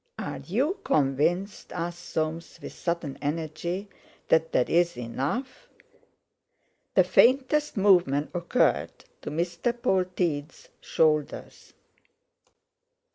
"Are you convinced," asked Soames with sudden energy, "that there is enough?" The faintest movement occurred to Mr. Polteed's shoulders.